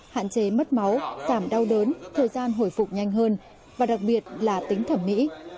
hạn chế mất máu giảm đau đớn thời gian hồi phục nhanh hơn và đặc biệt là tính thẩm mỹ